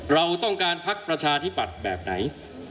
เราต้องการพักประชาธิปัตย์แบบไหน